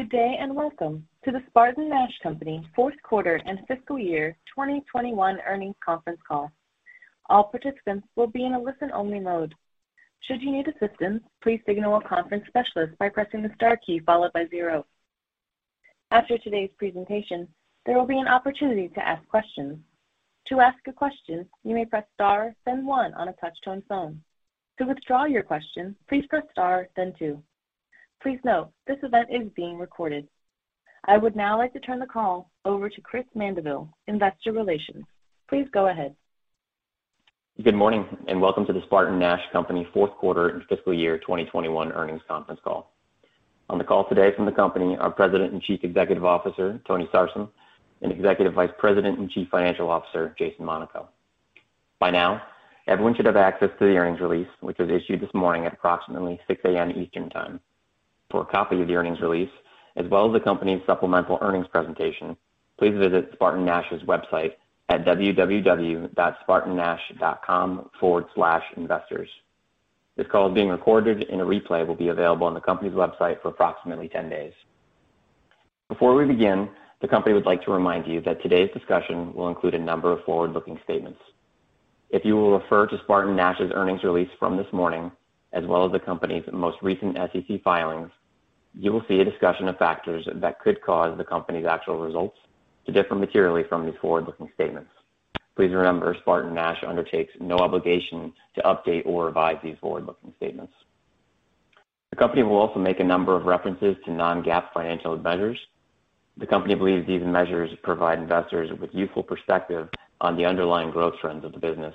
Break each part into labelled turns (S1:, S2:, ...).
S1: Good day, and welcome to the SpartanNash Company fourth quarter and fiscal year 2021 earnings conference call. All participants will be in a listen-only mode. Should you need assistance, please signal a conference specialist by pressing the star key followed by zero. After today's presentation, there will be an opportunity to ask questions. To ask a question, you may press star, then one on a touch-tone phone. To withdraw your question, please press star, then two. Please note, this event is being recorded. I would now like to turn the call over to Chris Mandeville, Investor Relations. Please go ahead.
S2: Good morning, and welcome to the SpartanNash Company fourth quarter and fiscal year 2021 earnings conference call. On the call today from the company are President and Chief Executive Officer, Tony Sarsam, and Executive Vice President and Chief Financial Officer, Jason Monaco. By now, everyone should have access to the earnings release, which was issued this morning at approximately 6 A.M. Eastern Time. For a copy of the earnings release, as well as the company's supplemental earnings presentation, please visit SpartanNash's website at www.spartannash.com/investors. This call is being recorded and a replay will be available on the company's website for approximately 10 days. Before we begin, the company would like to remind you that today's discussion will include a number of forward-looking statements. If you will refer to SpartanNash's earnings release from this morning, as well as the company's most recent SEC filings, you will see a discussion of factors that could cause the company's actual results to differ materially from these forward-looking statements. Please remember, SpartanNash undertakes no obligation to update or revise these forward-looking statements. The company will also make a number of references to non-GAAP financial measures. The company believes these measures provide investors with useful perspective on the underlying growth trends of the business,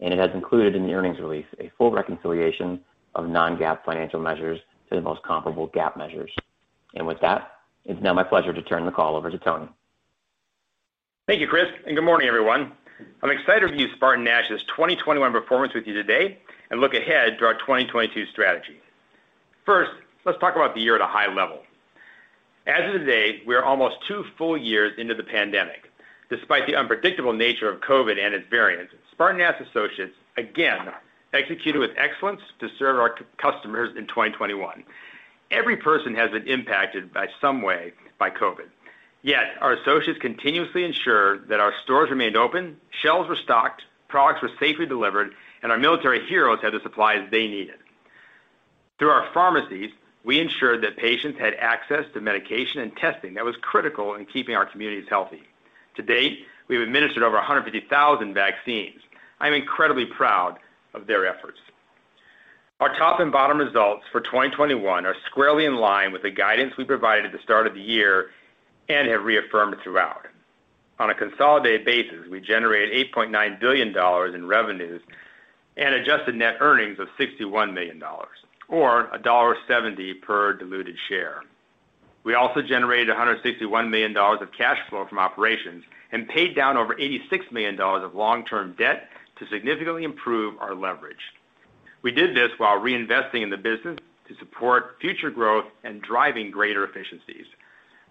S2: and it has included in the earnings release a full reconciliation of non-GAAP financial measures to the most comparable GAAP measures. With that, it's now my pleasure to turn the call over to Tony.
S3: Thank you, Chris, and good morning, everyone. I'm excited to review SpartanNash's 2021 performance with you today and look ahead to our 2022 strategy. First, let's talk about the year at a high level. As of today, we are almost two full years into the pandemic. Despite the unpredictable nature of COVID and its variants, SpartanNash associates, again, executed with excellence to serve our customers in 2021. Every person has been impacted by some way by COVID. Yet, our associates continuously ensure that our stores remained open, shelves were stocked, products were safely delivered, and our military heroes had the supplies they needed. Through our pharmacies, we ensured that patients had access to medication and testing that was critical in keeping our communities healthy. To date, we've administered over 150,000 vaccines. I'm incredibly proud of their efforts. Our top and bottom results for 2021 are squarely in line with the guidance we provided at the start of the year and have reaffirmed throughout. On a consolidated basis, we generated $8.9 billion in revenues and adjusted net earnings of $61 million or $1.70 per diluted share. We also generated $161 million of cash flow from operations and paid down over $86 million of long-term debt to significantly improve our leverage. We did this while reinvesting in the business to support future growth and driving greater efficiencies.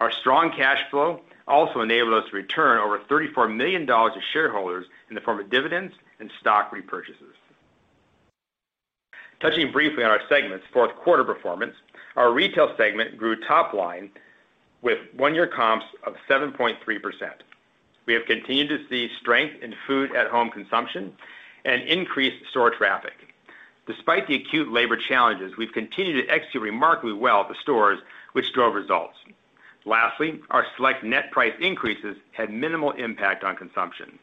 S3: Our strong cash flow also enabled us to return over $34 million to shareholders in the form of dividends and stock repurchases. Touching briefly on our segment's fourth quarter performance, our retail segment grew top-line with one-year comps of 7.3%. We have continued to see strength in food-at-home consumption and increased store traffic. Despite the acute labor challenges, we've continued to execute remarkably well at the stores, which drove results. Lastly, our select net price increases had minimal impact on consumption.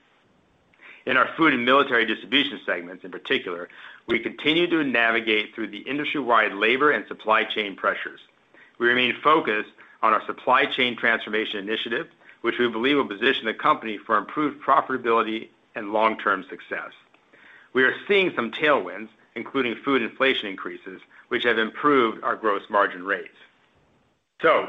S3: In our food and military distribution segments, in particular, we continue to navigate through the industry-wide labor and supply chain pressures. We remain focused on our supply chain transformation initiative, which we believe will position the company for improved profitability and long-term success. We are seeing some tailwinds, including food inflation increases, which have improved our gross margin rates.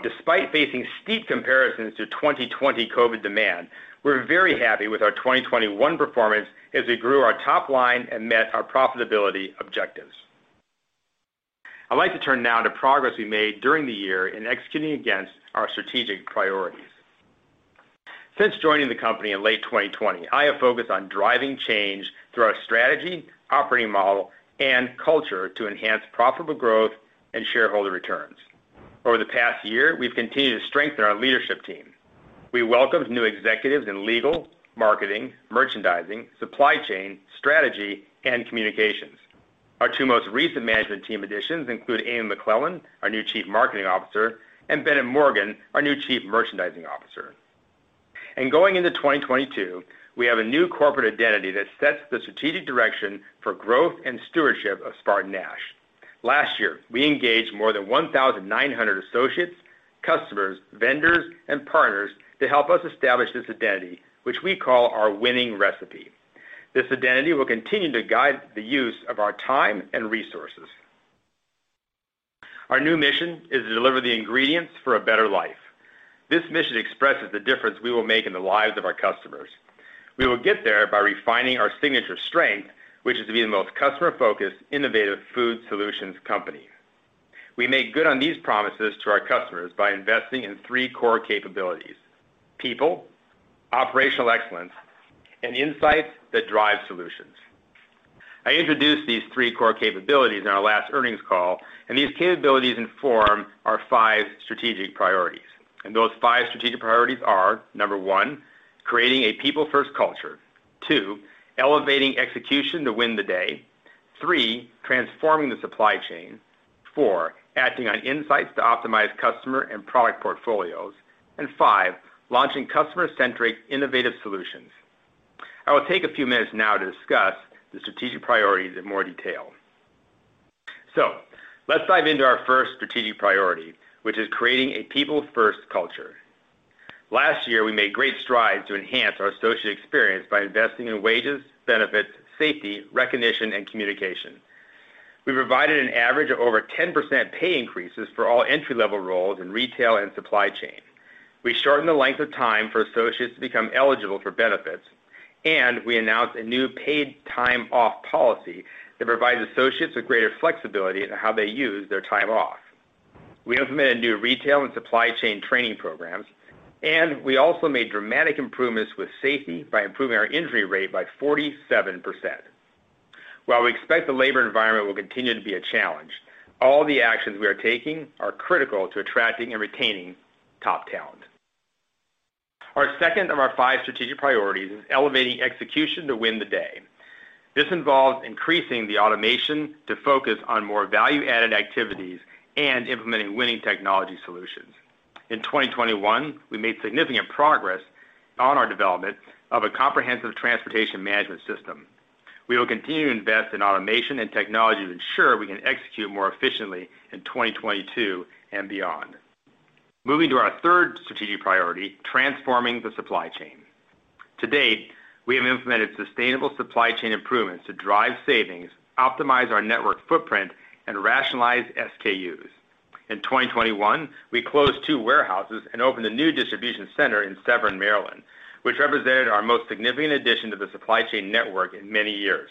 S3: Despite facing steep comparisons to 2020 COVID demand, we're very happy with our 2021 performance as we grew our top line and met our profitability objectives. I'd like to turn now to progress we made during the year in executing against our strategic priorities. Since joining the company in late 2020, I have focused on driving change through our strategy, operating model, and culture to enhance profitable growth and shareholder returns. Over the past year, we've continued to strengthen our leadership team. We welcomed new executives in legal, marketing, merchandising, supply chain, strategy, and communications. Our two most recent management team additions include Amy McClellan, our new Chief Marketing Officer, and Bennett Morgan, our new Chief Merchandising Officer. Going into 2022, we have a new corporate identity that sets the strategic direction for growth and stewardship of SpartanNash. Last year, we engaged more than 1,900 associates, customers, vendors, and partners to help us establish this identity, which we call our winning recipe. This identity will continue to guide the use of our time and resources. Our new mission is to deliver the ingredients for a better life. This mission expresses the difference we will make in the lives of our customers. We will get there by refining our signature strength, which is to be the most customer-focused, innovative food solutions company. We make good on these promises to our customers by investing in three core capabilities: people, operational excellence, and insights that drive solutions. I introduced these three core capabilities in our last earnings call, and these capabilities inform our five strategic priorities. Those five strategic priorities are, number one, creating a people-first culture. Two, elevating execution to win the day. Three, transforming the supply chain. Four, acting on insights to optimize customer and product portfolios, and five, launching customer-centric innovative solutions. I will take a few minutes now to discuss the strategic priorities in more detail. Let's dive into our first strategic priority, which is creating a people-first culture. Last year, we made great strides to enhance our associate experience by investing in wages, benefits, safety, recognition, and communication. We provided an average of over 10% pay increases for all entry-level roles in retail and supply chain. We shortened the length of time for associates to become eligible for benefits, and we announced a new paid time off policy that provides associates with greater flexibility in how they use their time off. We implemented new retail and supply chain training programs, and we also made dramatic improvements with safety by improving our injury rate by 47%. While we expect the labor environment will continue to be a challenge, all the actions we are taking are critical to attracting and retaining top talent. Our second of our five strategic priorities is elevating execution to win the day. This involves increasing the automation to focus on more value-added activities and implementing winning technology solutions. In 2021, we made significant progress on our development of a comprehensive transportation management system. We will continue to invest in automation and technology to ensure we can execute more efficiently in 2022 and beyond. Moving to our third strategic priority, transforming the supply chain. To date, we have implemented sustainable supply chain improvements to drive savings, optimize our network footprint, and rationalize SKUs. In 2021, we closed two warehouses and opened a new distribution center in Severn, Maryland, which represented our most significant addition to the supply chain network in many years.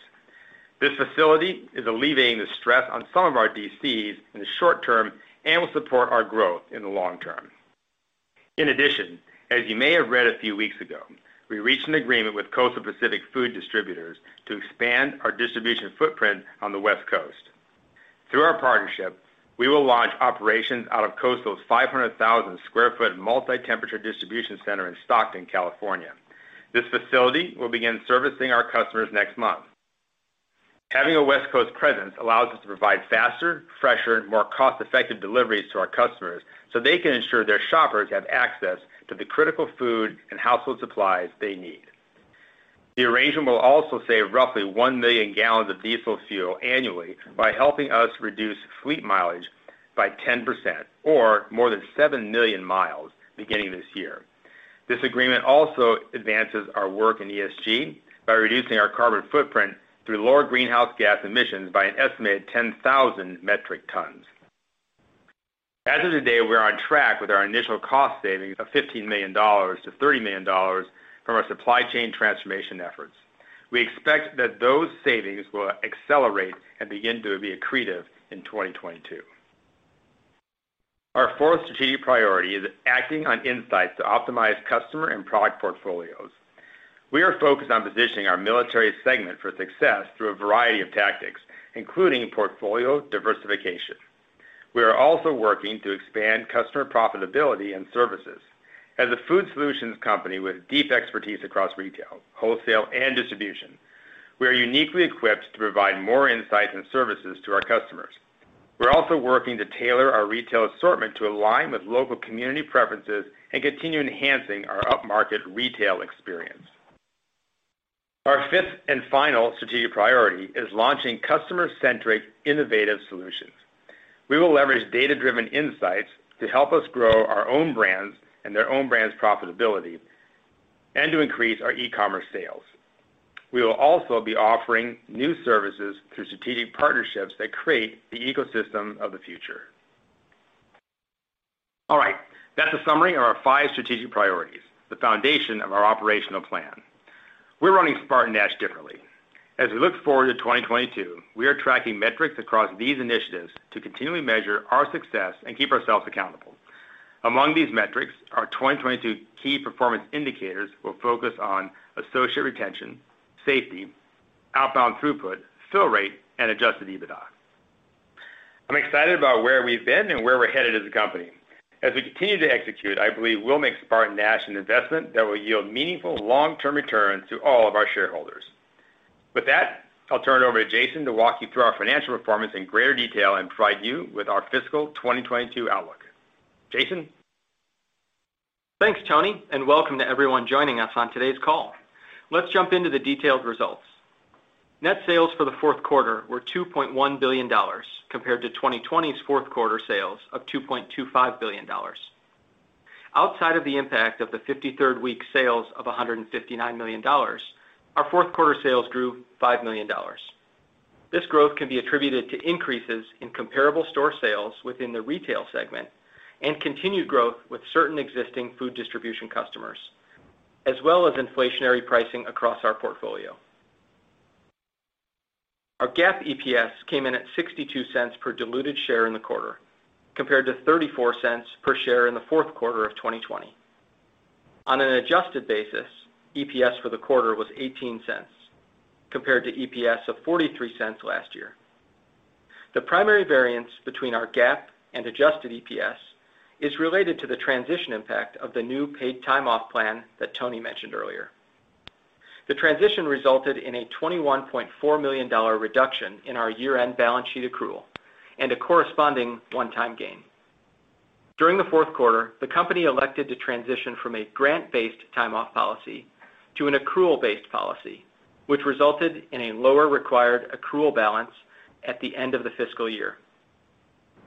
S3: This facility is alleviating the stress on some of our DCs in the short term and will support our growth in the long term. In addition, as you may have read a few weeks ago, we reached an agreement with Coastal Pacific Food Distributors to expand our distribution footprint on the West Coast. Through our partnership, we will launch operations out of Coastal's 500,000 sq ft multi-temperature distribution center in Stockton, California. This facility will begin servicing our customers next month. Having a West Coast presence allows us to provide faster, fresher, more cost-effective deliveries to our customers, so they can ensure their shoppers have access to the critical food and household supplies they need. The arrangement will also save roughly 1 million gallons of diesel fuel annually by helping us reduce fleet mileage by 10% or more than 7 million miles beginning this year. This agreement also advances our work in ESG by reducing our carbon footprint through lower greenhouse gas emissions by an estimated 10,000 metric tons. As of today, we're on track with our initial cost savings of $15 million-$30 million from our supply chain transformation efforts. We expect that those savings will accelerate and begin to be accretive in 2022. Our fourth strategic priority is acting on insights to optimize customer and product portfolios. We are focused on positioning our military segment for success through a variety of tactics, including portfolio diversification. We are also working to expand customer profitability and services. As a food solutions company with deep expertise across retail, wholesale, and distribution, we are uniquely equipped to provide more insights and services to our customers. We're also working to tailor our retail assortment to align with local community preferences and continue enhancing our upmarket retail experience. Our fifth and final strategic priority is launching customer-centric innovative solutions. We will leverage data-driven insights to help us grow our own brands and their own brands' profitability, and to increase our e-commerce sales. We will also be offering new services through strategic partnerships that create the ecosystem of the future. All right. That's a summary of our 5 strategic priorities, the foundation of our operational plan. We're running SpartanNash differently. As we look forward to 2022, we are tracking metrics across these initiatives to continually measure our success and keep ourselves accountable. Among these metrics, our 2022 key performance indicators will focus on associate retention, safety, outbound throughput, fill rate, and adjusted EBITDA. I'm excited about where we've been and where we're headed as a company. As we continue to execute, I believe we'll make SpartanNash an investment that will yield meaningful long-term returns to all of our shareholders. With that, I'll turn it over to Jason to walk you through our financial performance in greater detail and provide you with our fiscal 2022 outlook. Jason?
S4: Thanks, Tony, and welcome to everyone joining us on today's call. Let's jump into the detailed results. Net sales for the fourth quarter were $2.1 billion compared to 2020's fourth quarter sales of $2.25 billion. Outside of the impact of the 53rd week sales of $159 million, our fourth quarter sales grew $5 million. This growth can be attributed to increases in comparable store sales within the retail segment and continued growth with certain existing food distribution customers, as well as inflationary pricing across our portfolio. Our GAAP EPS came in at $0.62 per diluted share in the quarter, compared to $0.34 per share in the fourth quarter of 2020. On an adjusted basis, EPS for the quarter was $0.18 compared to EPS of $0.43 last year. The primary variance between our GAAP and adjusted EPS is related to the transition impact of the new paid time off plan that Tony mentioned earlier. The transition resulted in a $21.4 million reduction in our year-end balance sheet accrual and a corresponding one-time gain. During the fourth quarter, the company elected to transition from a grant-based time off policy to an accrual-based policy, which resulted in a lower required accrual balance at the end of the fiscal year.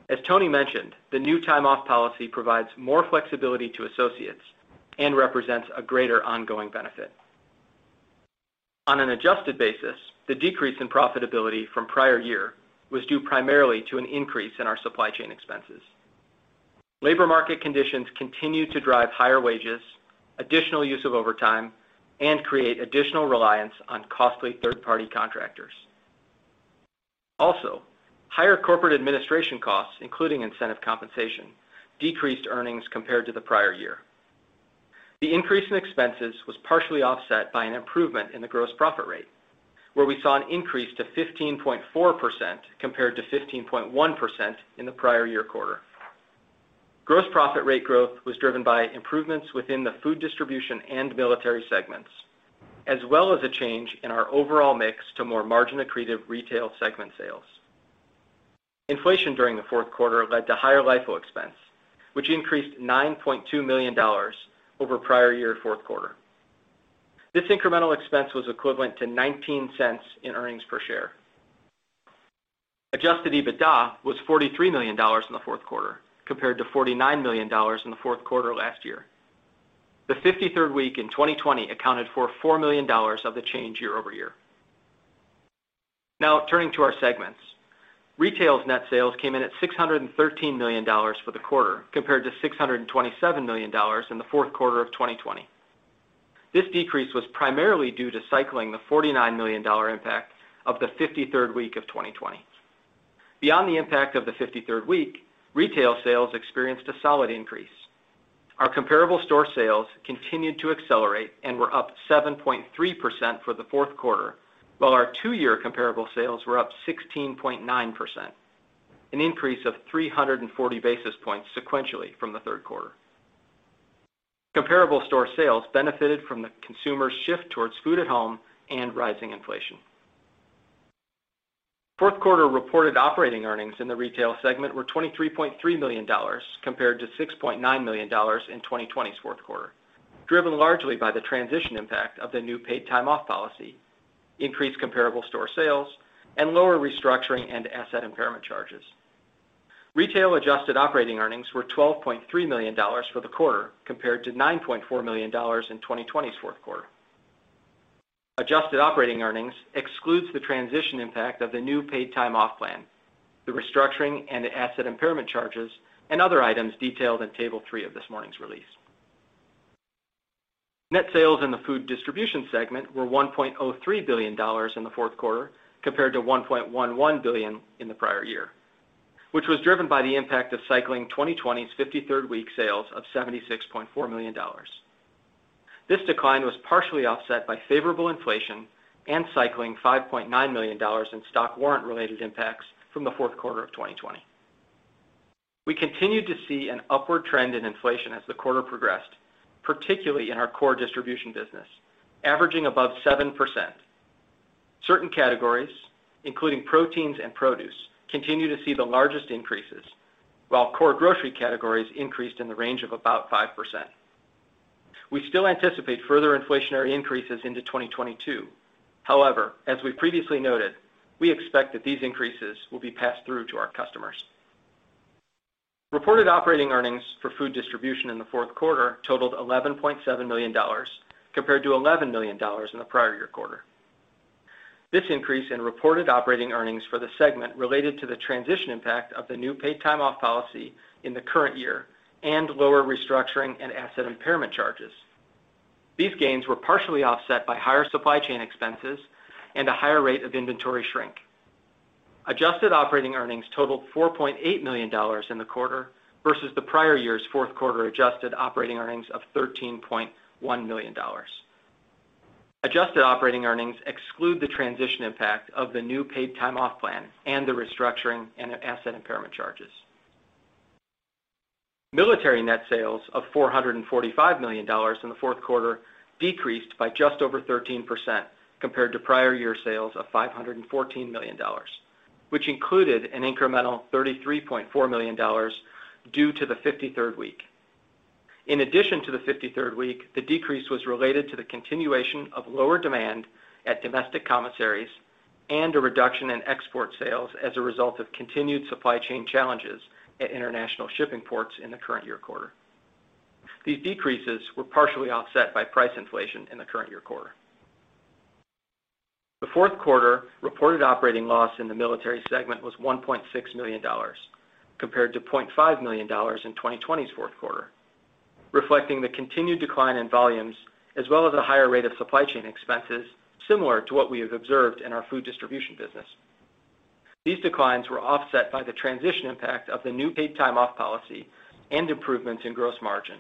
S4: As Tony mentioned, the new time off policy provides more flexibility to associates and represents a greater ongoing benefit. On an adjusted basis, the decrease in profitability from prior year was due primarily to an increase in our supply chain expenses. Labor market conditions continued to drive higher wages, additional use of overtime, and create additional reliance on costly third-party contractors. Higher corporate administration costs, including incentive compensation, decreased earnings compared to the prior year. The increase in expenses was partially offset by an improvement in the gross profit rate, where we saw an increase to 15.4% compared to 15.1% in the prior year quarter. Gross profit rate growth was driven by improvements within the food distribution and military segments, as well as a change in our overall mix to more margin-accretive retail segment sales. Inflation during the fourth quarter led to higher LIFO expense, which increased $9.2 million over prior year fourth quarter. This incremental expense was equivalent to $0.19 in earnings per share. Adjusted EBITDA was $43 million in the fourth quarter compared to $49 million in the fourth quarter last year. The 53rd week in 2020 accounted for $4 million of the change year-over-year. Now turning to our segments. Retail's net sales came in at $613 million for the quarter compared to $627 million in the fourth quarter of 2020. This decrease was primarily due to cycling the $49 million impact of the 53rd week of 2020. Beyond the impact of the 53rd week, retail sales experienced a solid increase. Our comparable store sales continued to accelerate and were up 7.3% for the fourth quarter, while our two-year comparable sales were up 16.9%, an increase of 340 basis points sequentially from the third quarter. Comparable store sales benefited from the consumer shift towards food at home and rising inflation. Fourth quarter reported operating earnings in the retail segment were $23.3 million compared to $6.9 million in 2020's fourth quarter, driven largely by the transition impact of the new paid time off policy, increased comparable store sales, and lower restructuring and asset impairment charges. Retail adjusted operating earnings were $12.3 million for the quarter compared to $9.4 million in 2020's fourth quarter. Adjusted operating earnings excludes the transition impact of the new paid time off plan, the restructuring and asset impairment charges, and other items detailed in Table three of this morning's release. Net sales in the food distribution segment were $1.03 billion in the fourth quarter compared to $1.11 billion in the prior year, which was driven by the impact of cycling 2020's fifty-third-week sales of $76.4 million. This decline was partially offset by favorable inflation and cycling $5.9 million in stock warrant-related impacts from the fourth quarter of 2020. We continued to see an upward trend in inflation as the quarter progressed, particularly in our core distribution business, averaging above 7%. Certain categories, including proteins and produce, continue to see the largest increases, while core grocery categories increased in the range of about 5%. We still anticipate further inflationary increases into 2022. However, as we previously noted, we expect that these increases will be passed through to our customers. Reported operating earnings for food distribution in the fourth quarter totaled $11.7 million compared to $11 million in the prior year quarter. This increase in reported operating earnings for the segment related to the transition impact of the new paid time off policy in the current year and lower restructuring and asset impairment charges. These gains were partially offset by higher supply chain expenses and a higher rate of inventory shrink. Adjusted operating earnings totaled $4.8 million in the quarter versus the prior year's fourth quarter adjusted operating earnings of $13.1 million. Adjusted operating earnings exclude the transition impact of the new paid time off plan and the restructuring and asset impairment charges. Military net sales of $445 million in the fourth quarter decreased by just over 13% compared to prior year sales of $514 million, which included an incremental $33.4 million due to the 53rd week. In addition to the 53rd week, the decrease was related to the continuation of lower demand at domestic commissaries and a reduction in export sales as a result of continued supply chain challenges at international shipping ports in the current year quarter. These decreases were partially offset by price inflation in the current year quarter. The fourth quarter reported operating loss in the military segment was $1.6 million compared to $0.5 million in 2020's fourth quarter, reflecting the continued decline in volumes as well as a higher rate of supply chain expenses similar to what we have observed in our food distribution business. These declines were offset by the transition impact of the new paid time off policy and improvements in gross margin.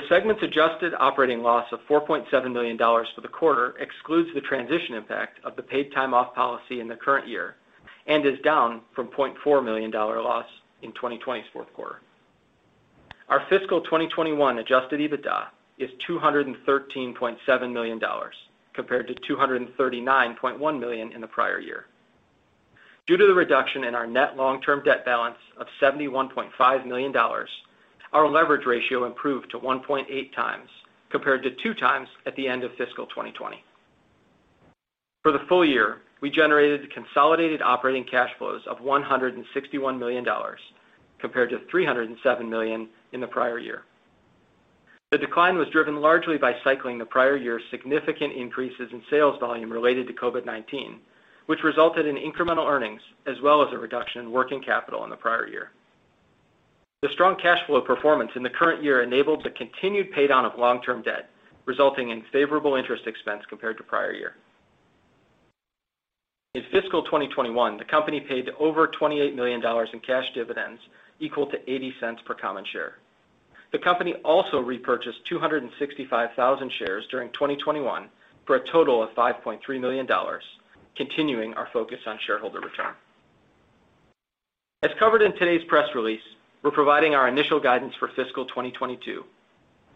S4: The segment's adjusted operating loss of $4.7 million for the quarter excludes the transition impact of the paid time off policy in the current year and is down from $0.4 million-dollar loss in 2020's fourth quarter. Our fiscal 2021 adjusted EBITDA is $213.7 million compared to $239.1 million in the prior year. Due to the reduction in our net long-term debt balance of $71.5 million, our leverage ratio improved to 1.8x compared to 2x at the end of fiscal 2020. For the full year, we generated consolidated operating cash flows of $161 million compared to $307 million in the prior year. The decline was driven largely by cycling the prior year's significant increases in sales volume related to COVID-19, which resulted in incremental earnings as well as a reduction in working capital in the prior year. The strong cash flow performance in the current year enabled the continued paydown of long-term debt, resulting in favorable interest expense compared to prior year. In fiscal 2021, the company paid over $28 million in cash dividends equal to $0.80 per common share. The company also repurchased 265,000 shares during 2021 for a total of $5.3 million, continuing our focus on shareholder return. As covered in today's press release, we're providing our initial guidance for fiscal 2022,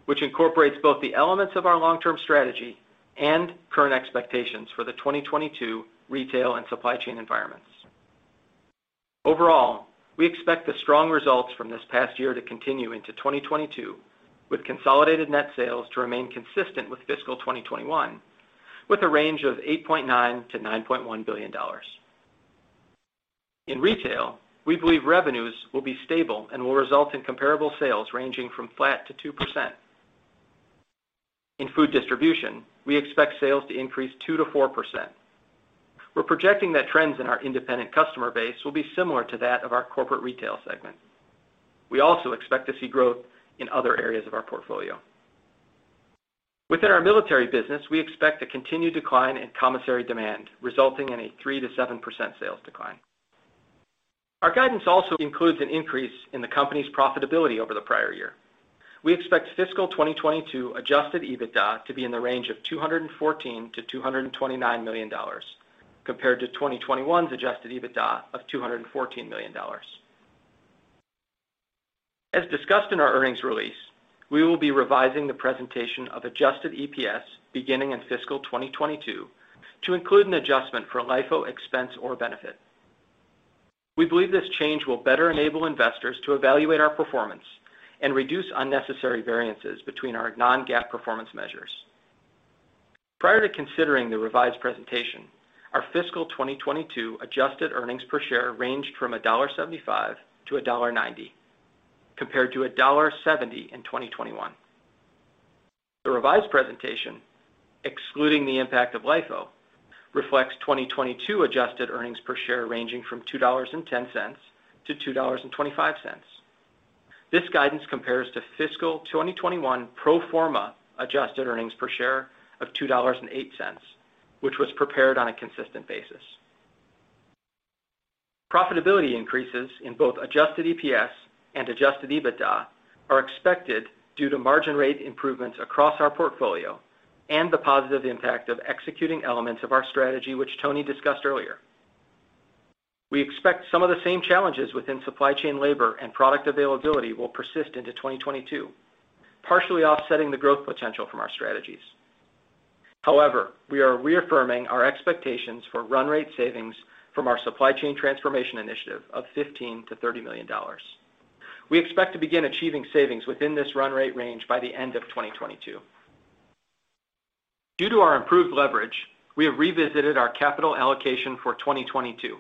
S4: which incorporates both the elements of our long-term strategy and current expectations for the 2022 retail and supply chain environments. Overall, we expect the strong results from this past year to continue into 2022, with consolidated net sales to remain consistent with fiscal 2021, with a range of $8.9 billion-$9.1 billion. In retail, we believe revenues will be stable and will result in comparable sales ranging from flat to 2%. In food distribution, we expect sales to increase 2%-4%. We're projecting that trends in our independent customer base will be similar to that of our corporate retail segment. We also expect to see growth in other areas of our portfolio. Within our military business, we expect a continued decline in commissary demand, resulting in a 3%-7% sales decline. Our guidance also includes an increase in the company's profitability over the prior year. We expect fiscal 2022 adjusted EBITDA to be in the range of $214 million-$229 million, compared to 2021's adjusted EBITDA of $214 million. As discussed in our earnings release, we will be revising the presentation of adjusted EPS beginning in fiscal 2022 to include an adjustment for LIFO expense or benefit. We believe this change will better enable investors to evaluate our performance and reduce unnecessary variances between our non-GAAP performance measures. Prior to considering the revised presentation, our fiscal 2022 adjusted earnings per share ranged from $1.75-$1.90, compared to $1.70 in 2021. The revised presentation, excluding the impact of LIFO, reflects 2022 adjusted earnings per share ranging from $2.10-$2.25. This guidance compares to fiscal 2021 pro forma adjusted earnings per share of $2.08, which was prepared on a consistent basis. Profitability increases in both adjusted EPS and adjusted EBITDA are expected due to margin rate improvements across our portfolio and the positive impact of executing elements of our strategy, which Tony discussed earlier. We expect some of the same challenges within supply chain labor and product availability will persist into 2022, partially offsetting the growth potential from our strategies. However, we are reaffirming our expectations for run rate savings from our supply chain transformation initiative of $15 million-$30 million. We expect to begin achieving savings within this run rate range by the end of 2022. Due to our improved leverage, we have revisited our capital allocation for 2022.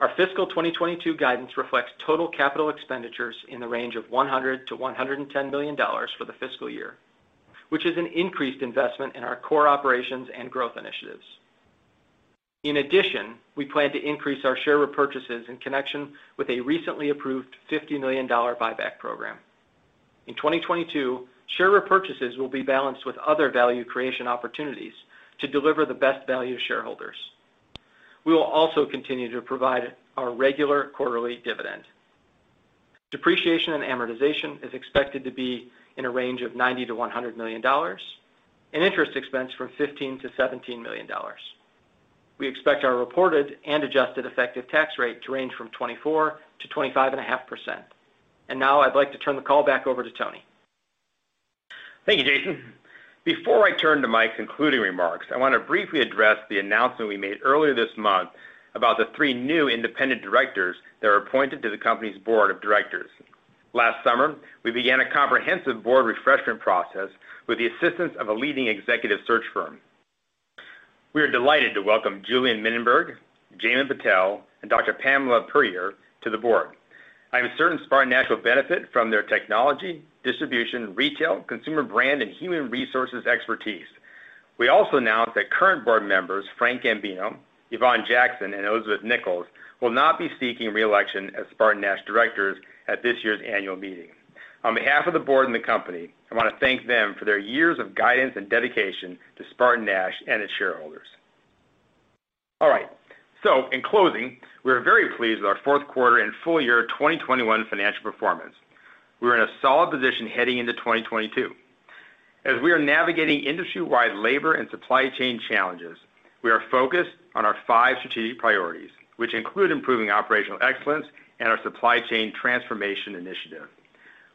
S4: Our fiscal 2022 guidance reflects total capital expenditures in the range of $100 million-$110 million for the fiscal year, which is an increased investment in our core operations and growth initiatives. In addition, we plan to increase our share repurchases in connection with a recently approved $50 million buyback program. In 2022, share repurchases will be balanced with other value creation opportunities to deliver the best value to shareholders. We will also continue to provide our regular quarterly dividend. Depreciation and amortization is expected to be in a range of $90 million-$100 million, and interest expense from $15 million-$17 million. We expect our reported and adjusted effective tax rate to range from 24%-25.5%. Now I'd like to turn the call back over to Tony.
S3: Thank you, Jason. Before I turn to my concluding remarks, I want to briefly address the announcement we made earlier this month about the three new independent directors that are appointed to the company's board of directors. Last summer, we began a comprehensive board refreshment process with the assistance of a leading executive search firm. We are delighted to welcome Julien Mininberg, Jaymin Patel, and Dr. Pamela Puryear to the board. I am certain SpartanNash will benefit from their technology, distribution, retail, consumer brand, and human resources expertise. We also announced that current board members, Frank Gambino, Yvonne Jackson, and Elizabeth Nickels, will not be seeking reelection as SpartanNash directors at this year's annual meeting. On behalf of the board and the company, I wanna thank them for their years of guidance and dedication to SpartanNash and its shareholders. All right. In closing, we are very pleased with our fourth quarter and full year 2021 financial performance. We're in a solid position heading into 2022. As we are navigating industry-wide labor and supply chain challenges, we are focused on our five strategic priorities, which include improving operational excellence and our supply chain transformation initiative.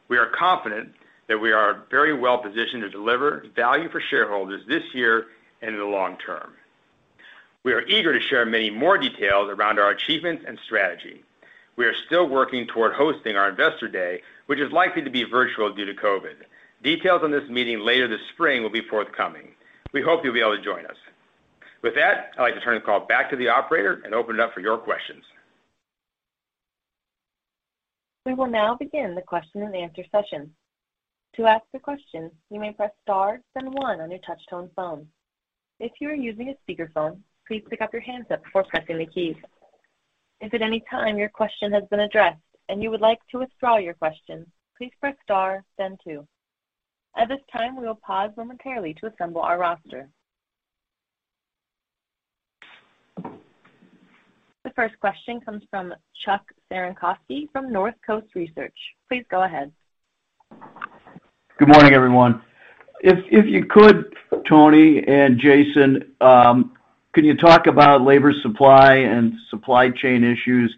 S3: We are confident that we are very well positioned to deliver value for shareholders this year and in the long term. We are eager to share many more details around our achievements and strategy. We are still working toward hosting our investor day, which is likely to be virtual due to COVID. Details on this meeting later this spring will be forthcoming. We hope you'll be able to join us. With that, I'd like to turn the call back to the operator and open it up for your questions.
S1: We will now begin the question-and-answer session. To ask a question, you may press star then one on your touch-tone phone. If you are using a speakerphone, please pick up your handset before pressing the keys. If at any time your question has been addressed and you would like to withdraw your question, please press star then two. At this time, we will pause momentarily to assemble our roster. The first question comes from Chuck Cerankosky from Northcoast Research. Please go ahead.
S5: Good morning, everyone. If you could, Tony and Jason, can you talk about labor supply and supply chain issues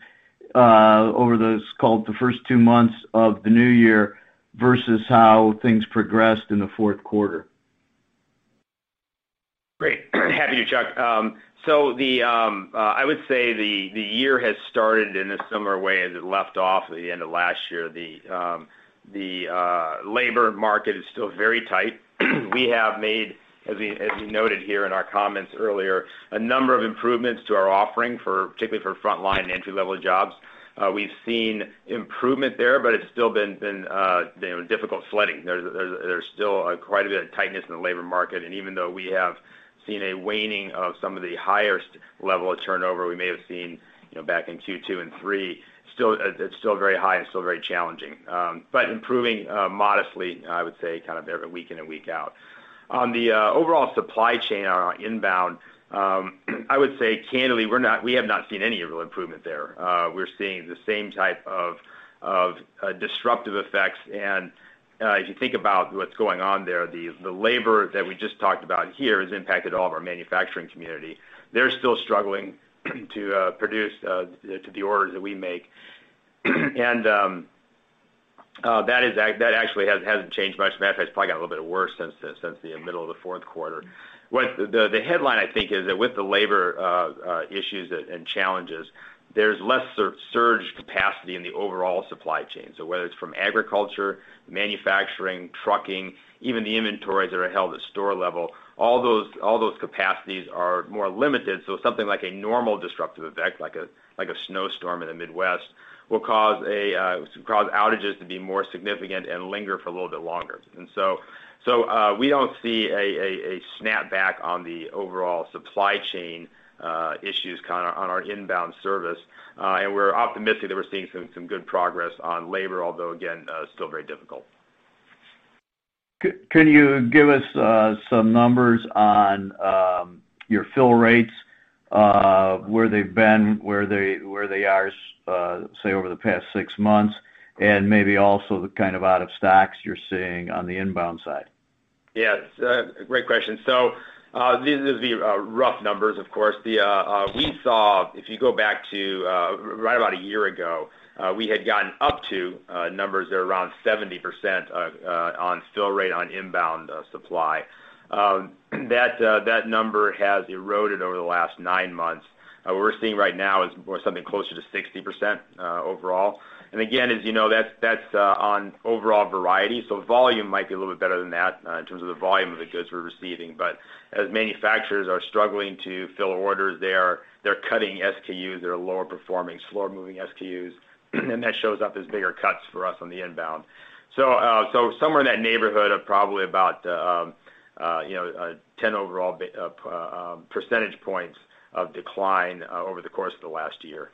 S5: over those, call it, the first two months of the new year, versus how things progressed in the fourth quarter?
S3: Great. Happy to, Chuck. I would say the year has started in a similar way as it left off at the end of last year. The labor market is still very tight. We have made, as we noted here in our comments earlier, a number of improvements to our offering for, particularly for frontline entry-level jobs. We've seen improvement there, but it's still been, you know, difficult sledding. There's still quite a bit of tightness in the labor market. Even though we have seen a waning of some of the highest level of turnover we may have seen, you know, back in Q2 and 3, it's still very high and still very challenging. But improving modestly, I would say, kind of every week in and week out. On the overall supply chain on our inbound, I would say candidly, we have not seen any real improvement there. We're seeing the same type of disruptive effects. If you think about what's going on there, the labor that we just talked about here has impacted all of our manufacturing community. They're still struggling to produce the orders that we make. That actually hasn't changed much. Matter of fact, it's probably got a little bit worse since the middle of the fourth quarter. What the headline I think is that with the labor issues and challenges, there's less surge capacity in the overall supply chain. Whether it's from agriculture, manufacturing, trucking, even the inventories that are held at store level, all those capacities are more limited. Something like a normal disruptive effect, like a snowstorm in the Midwest, will cause outages to be more significant and linger for a little bit longer. We don't see a snapback on the overall supply chain issues on our inbound service. We're optimistic that we're seeing some good progress on labor, although again, still very difficult.
S5: Can you give us some numbers on your fill rates, where they've been, where they are, say over the past six months? Maybe also the kind of out of stocks you're seeing on the inbound side.
S3: Yes. Great question. These are the rough numbers, of course. We saw if you go back to right about a year ago, we had gotten up to numbers that are around 70% on fill rate on inbound supply. That number has eroded over the last nine months. What we're seeing right now is more something closer to 60% overall. As you know, that's on overall variety. Volume might be a little bit better than that in terms of the volume of the goods we're receiving. As manufacturers are struggling to fill orders, they're cutting SKUs that are lower performing, slow moving SKUs, and that shows up as bigger cuts for us on the inbound. Somewhere in that neighborhood of probably about, you know, 10 overall percentage points of decline over the course of the last year.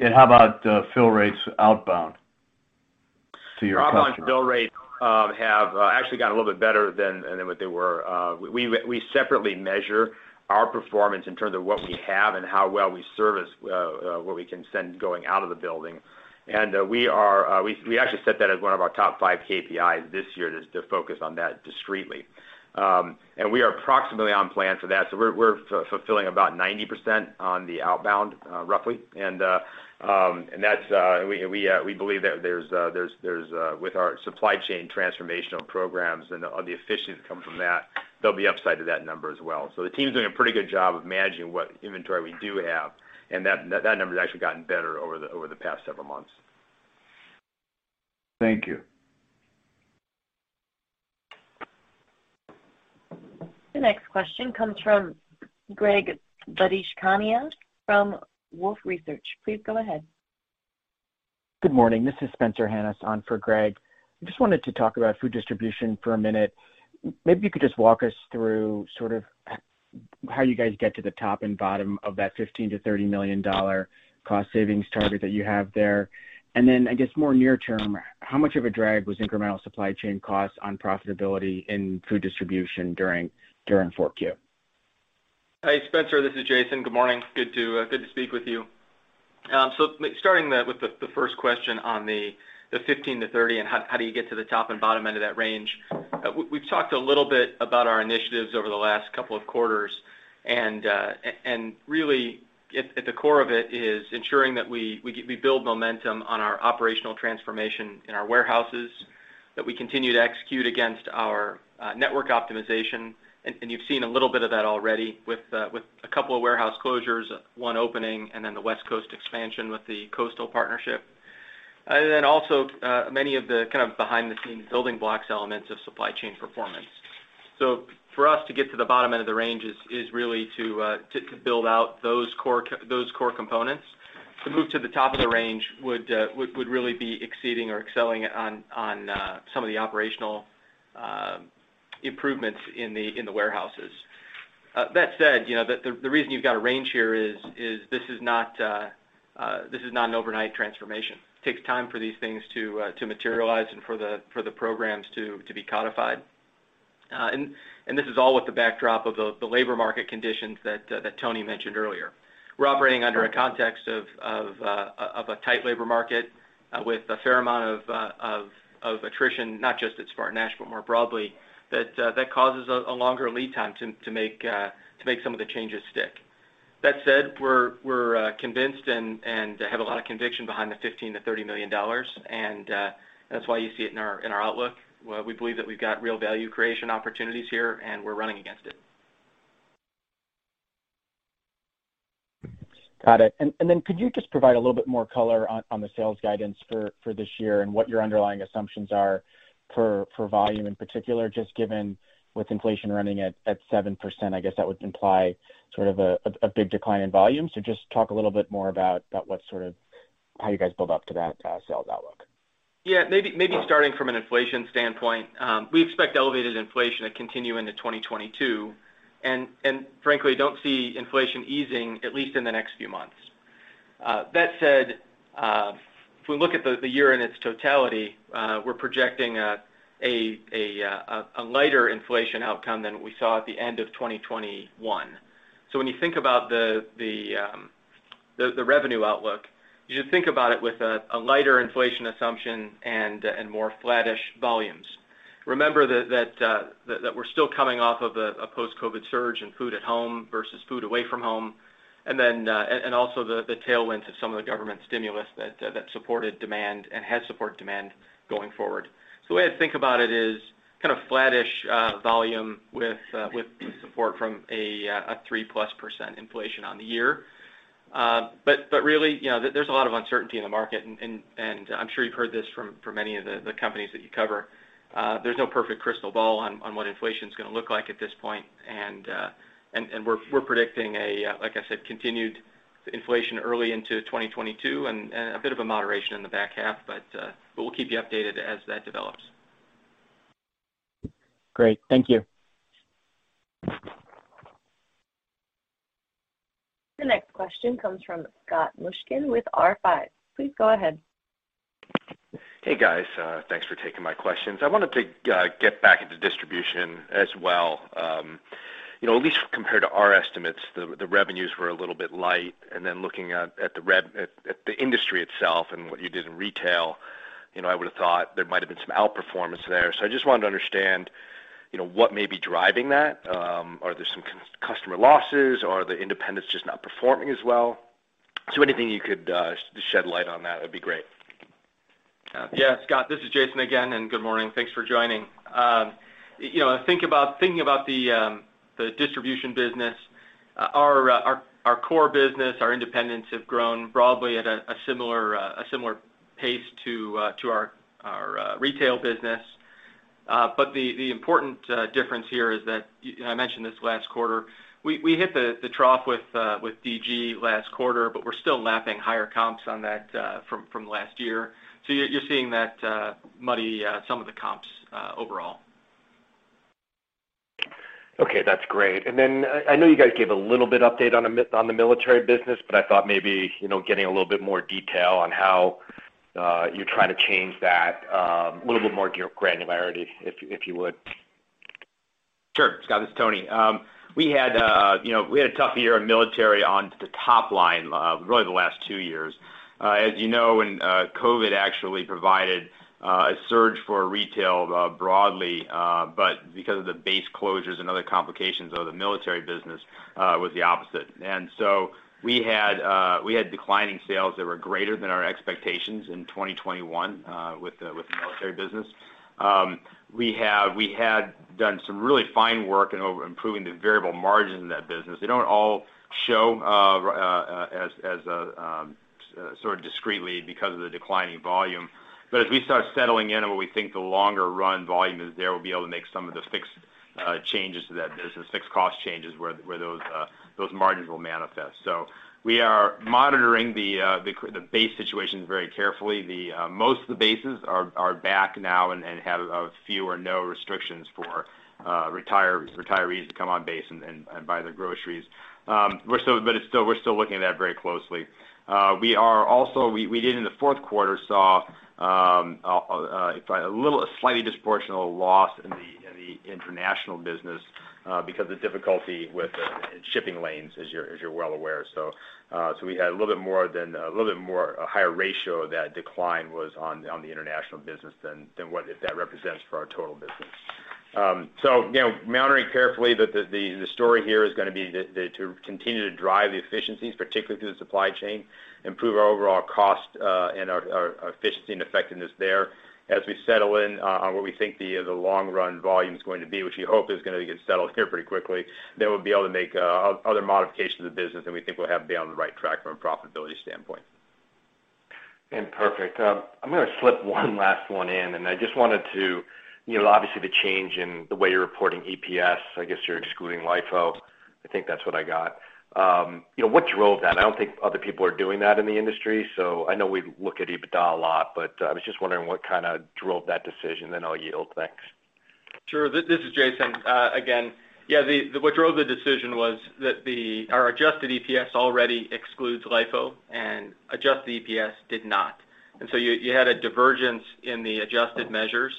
S5: How about fill rates outbound to your customer?
S3: Outbound fill rates have actually gotten a little bit better than what they were. We separately measure our performance in terms of what we have and how well we service what we can send going out of the building. We actually set that as one of our top five KPIs this year to focus on that discretely. We are approximately on plan for that. We're fulfilling about 90% on the outbound, roughly. We believe that with our supply chain transformational programs and all the efficiencies that come from that, there'll be upside to that number as well. The team's doing a pretty good job of managing what inventory we do have, and that number's actually gotten better over the past several months.
S5: Thank you.
S1: The next question comes from Greg Badishkanian from Wolfe Research. Please go ahead.
S6: Good morning. This is Spencer Hanus on for Greg. I just wanted to talk about food distribution for a minute. Maybe you could just walk us through sort of how you guys get to the top and bottom of that $15 million-$30 million cost savings target that you have there? Then I guess more near-term, how much of a drag was incremental supply chain costs on profitability in food distribution during 4Q?
S4: Hey, Spencer, this is Jason. Good morning. Good to speak with you. Starting with the first question on the 15-30 and how do you get to the top and bottom end of that range. We've talked a little bit about our initiatives over the last couple of quarters and really at the core of it is ensuring that we build momentum on our operational transformation in our warehouses, that we continue to execute against our network optimization. You've seen a little bit of that already with a couple of warehouse closures, one opening, and then the West Coast expansion with the Coastal partnership. Then also many of the kind of behind-the-scenes building blocks elements of supply chain performance. For us to get to the bottom end of the range is really to build out those core components. To move to the top of the range would really be exceeding or excelling on some of the operational improvements in the warehouses. That said, you know, the reason you've got a range here is this is not an overnight transformation. It takes time for these things to materialize and for the programs to be codified. This is all with the backdrop of the labor market conditions that Tony mentioned earlier. We're operating under a context of a tight labor market with a fair amount of attrition, not just at SpartanNash, but more broadly, that causes a longer lead time to make some of the changes stick. That said, we're convinced and have a lot of conviction behind the $15 million-$30 million, and that's why you see it in our outlook. We believe that we've got real value creation opportunities here, and we're running against it.
S6: Got it. Could you just provide a little bit more color on the sales guidance for this year and what your underlying assumptions are for volume in particular, just given with inflation running at 7%, I guess that would imply sort of a big decline in volume. Just talk a little bit more about what sort of how you guys build up to that, sales outlook.
S4: Yeah. Maybe starting from an inflation standpoint, we expect elevated inflation to continue into 2022 and frankly don't see inflation easing at least in the next few months. That said, if we look at the year in its totality, we're projecting a lighter inflation outcome than we saw at the end of 2021. When you think about the revenue outlook, you should think about it with a lighter inflation assumption and more flattish volumes. Remember that we're still coming off of a post-COVID surge in food at home versus food away from home, and also the tailwinds of some of the government stimulus that supported demand and has supported demand going forward. The way I think about it is kind of flattish volume with support from a 3%+ inflation on the year. Really, you know, there's a lot of uncertainty in the market and I'm sure you've heard this from many of the companies that you cover. There's no perfect crystal ball on what inflation's gonna look like at this point. We're predicting, like I said, continued inflation early into 2022 and a bit of a moderation in the back half. We'll keep you updated as that develops.
S6: Great. Thank you.
S1: The next question comes from Scott Mushkin with R5. Please go ahead.
S7: Hey, guys. Thanks for taking my questions. I wanted to get back into distribution as well. You know, at least compared to our estimates, the revenues were a little bit light. Then, looking at the industry itself and what you did in retail, you know, I would've thought there might have been some outperformance there. I just wanted to understand, you know, what may be driving that. Are there some customer losses? Are the independents just not performing as well? Anything you could shed light on that'd be great.
S4: Yeah, Scott, this is Jason again, and good morning. Thanks for joining. You know, thinking about the distribution business, our core business, our independents have grown broadly at a similar pace to our retail business. The important difference here is that, and I mentioned this last quarter, we hit the trough with DG last quarter, but we're still lapping higher comps on that from last year. You're seeing that muddying some of the comps overall.
S7: Okay, that's great. I know you guys gave a little bit update on the military business, but I thought maybe, you know, getting a little bit more detail on how you're trying to change that, a little bit more granularity if you would.
S3: Sure. Scott, this is Tony. We had, you know, a tough year in military on the top line, really the last two years. As you know, COVID actually provided a surge for retail broadly, but because of the base closures and other complications of the military business, it was the opposite. We had declining sales that were greater than our expectations in 2021 with the military business. We had done some really fine work in improving the variable margin in that business. They don't all show as sort of discretely because of the declining volume. As we start settling in and what we think the longer run volume is there, we'll be able to make some of the fixed changes to that business, fixed cost changes where those margins will manifest. We are monitoring the base situations very carefully. Most of the bases are back now and have a few or no restrictions for retirees to come on base and buy their groceries. We're still looking at that very closely. We also saw in the fourth quarter a little slightly disproportionate loss in the international business because of the difficulty with the shipping lanes, as you're well aware. We had a little bit more, a higher ratio of that decline was on the international business than what that represents for our total business. You know, monitoring carefully, the story here is gonna be to continue to drive the efficiencies, particularly through the supply chain, improve our overall cost, and our efficiency and effectiveness there as we settle in on what we think the long run volume is going to be, which we hope is gonna get settled here pretty quickly. We'll be able to make other modifications of the business, and we think we'll be on the right track from a profitability standpoint.
S7: Perfect. I'm gonna slip one last one in, and I just wanted to, you know, obviously, the change in the way you're reporting EPS. I guess you're excluding LIFO. I think that's what I got. You know, what drove that? I don't think other people are doing that in the industry. I know we look at EBITDA a lot, but I was just wondering what kinda drove that decision. I'll yield. Thanks.
S4: Sure. This is Jason again. Yeah. What drove the decision was that our adjusted EPS already excludes LIFO and adjusted EPS did not. You had a divergence in the adjusted measures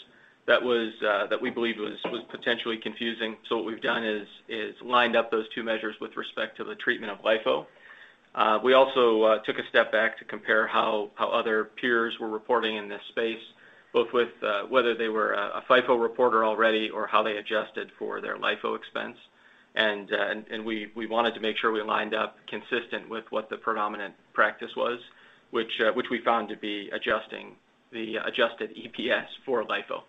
S4: that we believe was potentially confusing. What we've done is lined up those two measures with respect to the treatment of LIFO. We also took a step back to compare how other peers were reporting in this space, both with whether they were a FIFO reporter already or how they adjusted for their LIFO expense. We wanted to make sure we lined up consistent with what the predominant practice was, which we found to be adjusting the adjusted EPS for LIFO.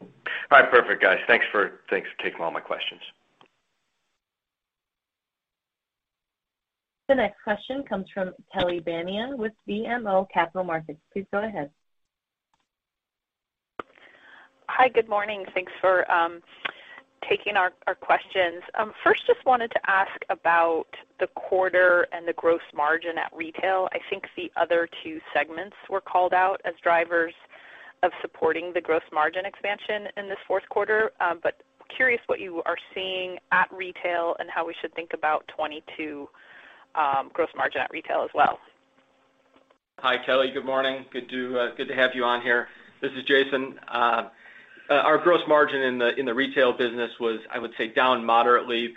S7: All right. Perfect, guys. Thanks for taking all my questions.
S1: The next question comes from Kelly Bania with BMO Capital Markets. Please go ahead.
S8: Hi. Good morning. Thanks for taking our questions. First, just wanted to ask about the quarter and the gross margin at retail. I think the other two segments were called out as drivers of supporting the gross margin expansion in this fourth quarter. Curious what you are seeing at retail and how we should think about 2022 gross margin at retail as well.
S4: Hi, Kelly. Good morning. Good to have you on here. This is Jason. Our gross margin in the retail business was, I would say, down moderately,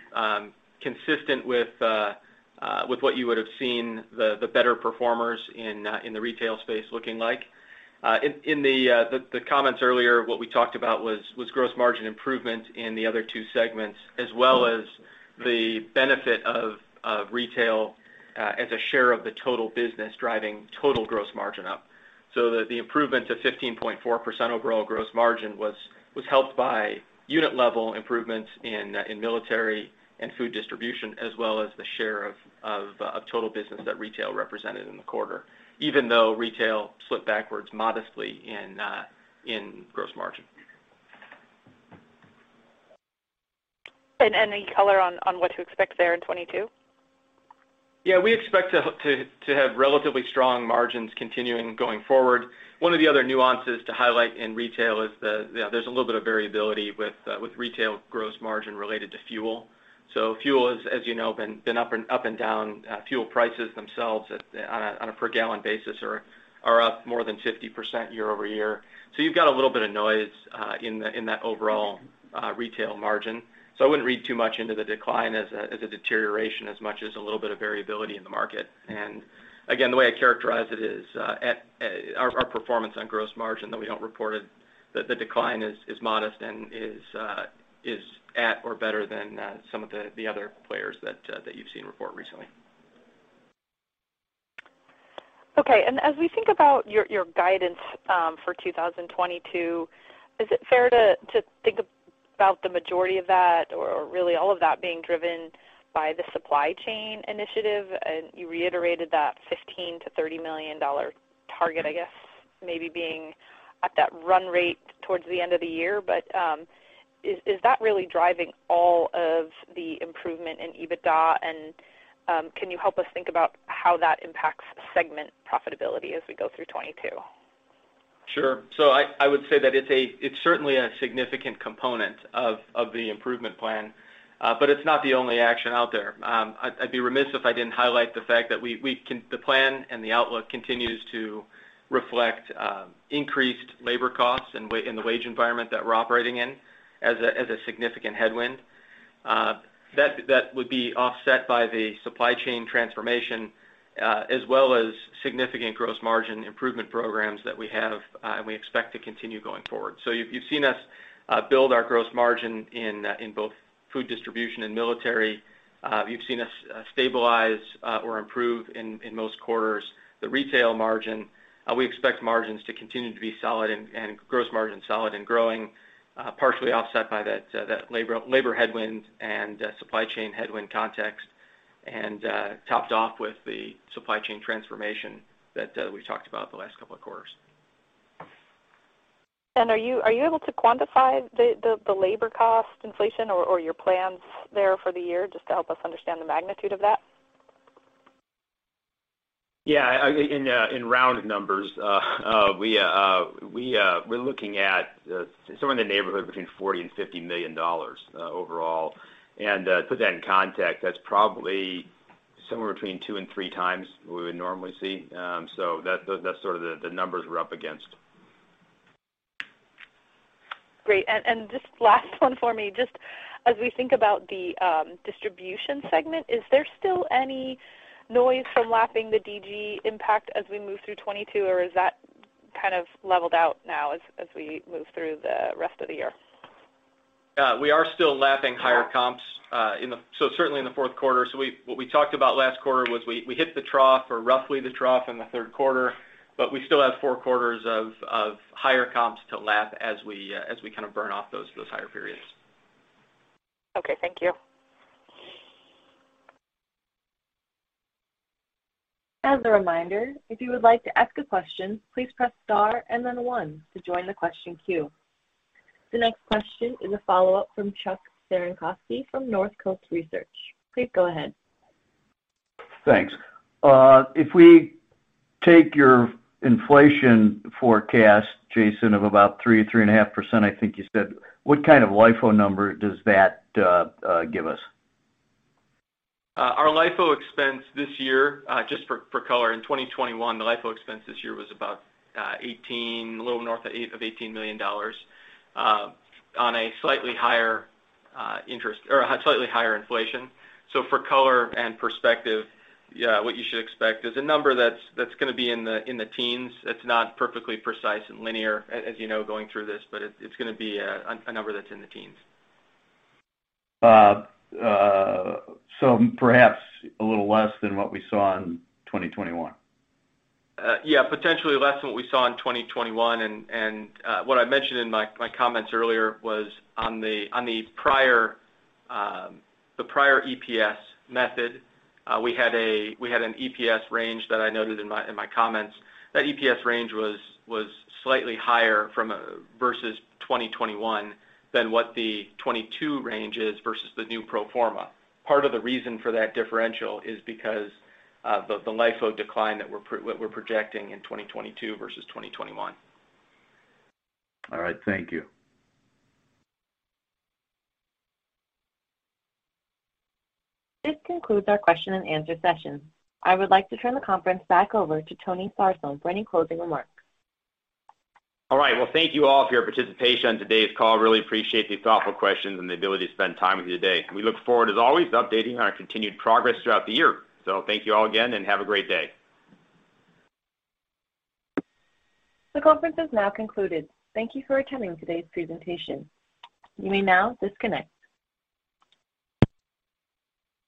S4: consistent with what you would have seen the better performers in the retail space looking like. In the comments earlier, what we talked about was gross margin improvement in the other two segments, as well as the benefit of retail as a share of the total business driving total gross margin up. The improvement to 15.4% overall gross margin was helped by unit-level improvements in military and food distribution, as well as the share of total business that retail represented in the quarter, even though retail slipped backwards modestly in gross margin.
S8: Any color on what to expect there in 2022?
S4: Yeah, we expect to have relatively strong margins continuing going forward. One of the other nuances to highlight in retail is the, you know, there's a little bit of variability with retail gross margin related to fuel. Fuel is, as you know, been up and down. Fuel prices themselves on a per gallon basis are up more than 50% year-over-year. You've got a little bit of noise in that overall retail margin. I wouldn't read too much into the decline as a deterioration as much as a little bit of variability in the market. Again, the way I characterize it is at our performance on gross margin, though we don't report it, the decline is modest and is at or better than some of the other players that you've seen report recently.
S8: Okay. As we think about your guidance for 2022, is it fair to think about the majority of that or really all of that being driven by the supply chain initiative? You reiterated that $15 million-$30 million target, I guess, maybe being at that run rate towards the end of the year. Is that really driving all of the improvement in EBITDA? Can you help us think about how that impacts segment profitability as we go through 2022?
S4: Sure. I would say that it's certainly a significant component of the improvement plan, but it's not the only action out there. I'd be remiss if I didn't highlight the fact that the plan and the outlook continues to reflect increased labor costs in the wage environment that we're operating in as a significant headwind. That would be offset by the supply chain transformation as well as significant gross margin improvement programs that we have and we expect to continue going forward. You've seen us build our gross margin in both food distribution and military. You've seen us stabilize or improve in most quarters the retail margin. We expect margins to continue to be solid and gross margin solid and growing, partially offset by that labor headwind and supply chain headwind context, and topped off with the supply chain transformation that we've talked about the last couple of quarters.
S8: Are you able to quantify the labor cost inflation or your plans there for the year just to help us understand the magnitude of that?
S3: In round numbers, we're looking at somewhere in the neighborhood between $40 million and $50 million overall. To put that in context, that's probably somewhere between 2 and 3 times what we would normally see. That's sort of the numbers we're up against.
S8: Great. Just last one for me, just as we think about the distribution segment, is there still any noise from lapping the DG impact as we move through 2022 or is that kind of leveled out now as we move through the rest of the year?
S4: We are still lapping higher comps. Certainly in the fourth quarter. What we talked about last quarter was we hit the trough or roughly the trough in the third quarter, but we still have four quarters of higher comps to lap as we kind of burn off those higher periods.
S8: Okay, thank you.
S1: As a reminder, if you would like to ask a question, please press star and then one to join the question queue. The next question is a follow-up from Chuck Cerankosky from Northcoast Research. Please go ahead.
S5: Thanks. If we take your inflation forecast, Jason, of about 3.5% I think you said, what kind of LIFO number does that give us?
S4: Our LIFO expense this year, just for color, in 2021, the LIFO expense was about a little north of $18 million, on a slightly higher inventory or a slightly higher inflation. For color and perspective, yeah, what you should expect is a number that's gonna be in the teens. It's not perfectly precise and linear as you know, going through this, but it's gonna be a number that's in the teens.
S5: Perhaps a little less than what we saw in 2021?
S4: Yeah. Potentially less than what we saw in 2021. What I mentioned in my comments earlier was on the prior EPS method. We had an EPS range that I noted in my comments. That EPS range was slightly higher versus 2021 than what the 2022 range is versus the new pro forma. Part of the reason for that differential is because of the LIFO decline that we're projecting in 2022 versus 2021.
S5: All right. Thank you.
S1: This concludes our question-and-answer session. I would like to turn the conference back over to Tony Sarsam for any closing remarks.
S3: All right. Well, thank you all for your participation on today's call. Really appreciate the thoughtful questions and the ability to spend time with you today. We look forward, as always, updating on our continued progress throughout the year. Thank you all again, and have a great day.
S1: The conference is now concluded. Thank you for attending today's presentation. You may now disconnect.